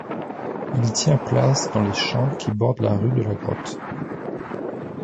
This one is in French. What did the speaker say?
Il tient place dans les champs qui bordent la rue de la grotte.